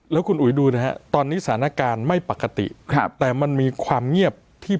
แล้วคุณอุ๋ยดูนะฮะตอนนี้สถานการณ์ไม่ปกติครับแต่มันมีความเงียบที่